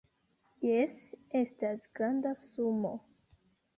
Jes, estas granda sumo